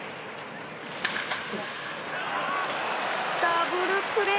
ダブルプレー。